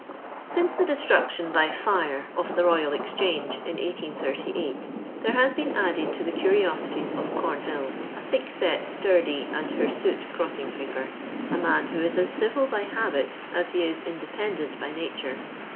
Since the destruction by fire of the Royal Exchange in 1838, there has been added to the curiosities of Cornhill a thickset, sturdy, and hirsute crossing sweeper — a man who is as •civil by habit as he is independent by nature.